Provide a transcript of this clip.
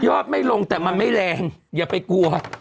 ไม่ลงแต่มันไม่แรงอย่าไปกลัว